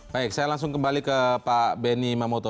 baik saya langsung kembali ke pak benny mamoto